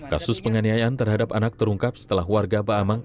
kasus penganiayaan terhadap anak terungkap setelah warga baamang